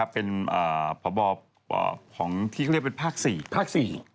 เป็นพบที่เรียกว่าภาค๔